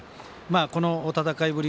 この戦いぶり